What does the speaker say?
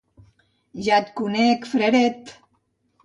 Ja et conec, fraret!